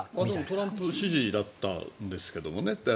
トランプ支持だったんですけどね。